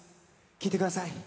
聴いてください